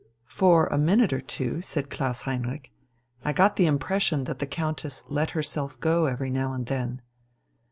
"For a minute or two," said Klaus Heinrich. "I got the impression that the Countess 'let herself go' every now and then."